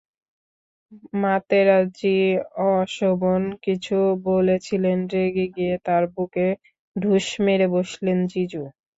মাতেরাজ্জি অশোভন কিছু বলেছিলেন, রেগে গিয়ে তাঁর বুকে ঢুঁস মেরে বসলেন জিজু।